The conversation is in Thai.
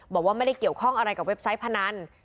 บอกว่าไม่ได้เกี่ยวข้องอะไรกับเว็บไซต์พนัน